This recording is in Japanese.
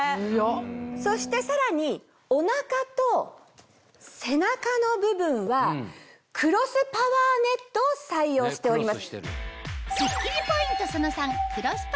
そしてさらにおなかと背中の部分はクロスパワーネットを採用しております。